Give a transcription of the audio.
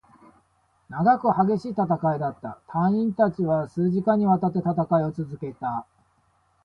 長く、激しい戦いだった。隊員達は数時間に渡って戦いを続けた。